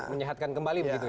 menyehatkan kembali begitu ya